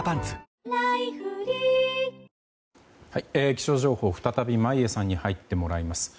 気象情報、再び眞家さんに入ってもらいます。